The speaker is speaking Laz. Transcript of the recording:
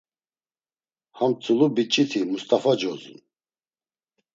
Ham tzulu biç̌iti Must̆afa cozun…